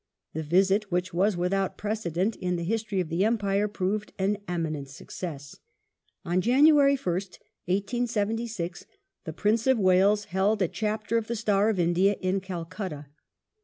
The visit, which was without precedent in the history of the Empire, proved an eminent success. On January 1st, 1876, the Prince of Wales held a Chapter of the Star of India in Calcutta.